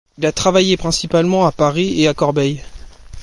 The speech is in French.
Il a travaillé principalement à Paris et à Corbeil.